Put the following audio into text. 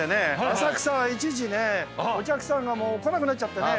浅草は一時ねお客さんがもう来なくなっちゃってね。